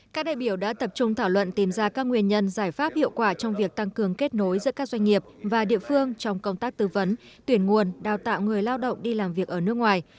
các đại biểu đã tập trung thảo luận tìm ra các nguyên nhân giải pháp hiệu quả trong việc tăng cường kết nối giữa các doanh nghiệp và địa phương trong công tác tư vấn tuyển nguồn đào tạo người lao động đi làm việc ở nước ngoài